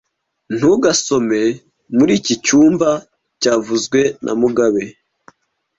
Ntugasome muri iki cyumba byavuzwe na mugabe